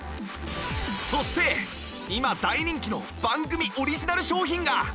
そして今大人気の番組オリジナル商品が